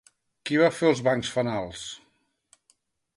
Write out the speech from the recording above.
Qui va fer els bancs-fanals?